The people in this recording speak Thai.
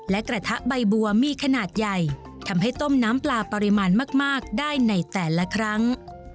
และกระทะใบบัวมีขนาดใหญ่ทำให้ต้มน้ำปลาปริมาณมากได้ในแต่ละครั้ง